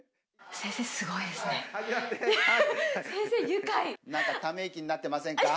先生、なんか、ため息になってませんか？